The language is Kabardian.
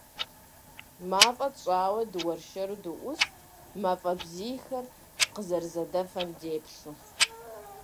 Мафӏэ тщӏауэ дыуэршэру дыӏуст, мафӀэ бзийхэр къызэрызэдэфэм деплъу.